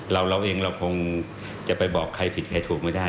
เราเองคงจะไปบอกตัวความผิดถูกแบบใครไม่ได้